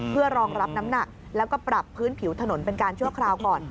เพื่อรองรับน้ำหนักแล้วก็ปรับพื้นผิวถนนเป็นการชั่วคราวก่อน